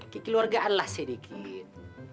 kekil wargaan lah sedikit